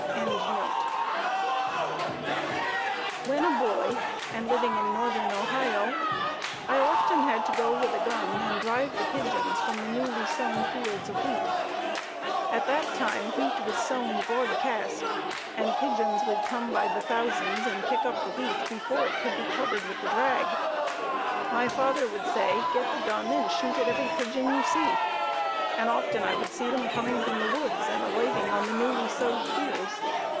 ] When a boy and living in northern Ohio, I often had to go with a gun and drive the pigeons from the newly sown fields of wheat. At that time wheat was sown broadcast, and pigeons would come by the thousands and pick up the wheat before it could be covered with the drag. My father would say, "Get the gun and shoot at every pigeon you see," and often I would see them coming from the woods and alighting on the newly sowed field.